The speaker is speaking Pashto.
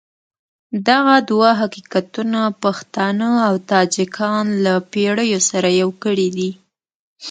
دغه دوه حقیقتونه پښتانه او تاجکان له پېړیو سره يو کړي دي.